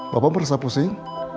bapak merasa pusing